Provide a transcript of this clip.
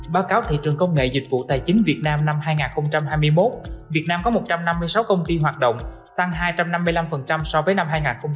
báo cáo thị trường công nghệ dịch vụ tài chính việt nam năm hai nghìn hai mươi một việt nam có một trăm năm mươi sáu công ty hoạt động tăng hai trăm năm mươi năm so với năm hai nghìn hai mươi hai